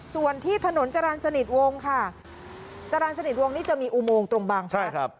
ส่วนที่ถนนจรรย์สนิทวงค่ะจรรย์สนิทวงนี่จะมีอุโมงตรงบางพัก